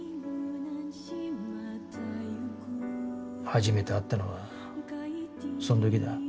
初めて会ったのはそん時だ。